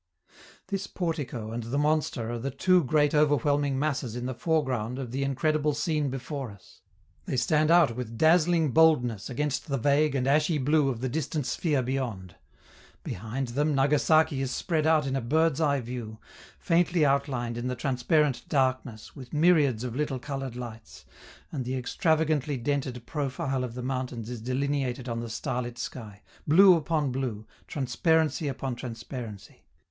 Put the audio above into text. This portico and the monster are the two great overwhelming masses in the foreground of the incredible scene before us; they stand out with dazzling boldness against the vague and ashy blue of the distant sphere beyond; behind them, Nagasaki is spread out in a bird's eye view, faintly outlined in the transparent darkness with myriads of little colored lights, and the extravagantly dented profile of the mountains is delineated on the starlit sky, blue upon blue, transparency upon transparency.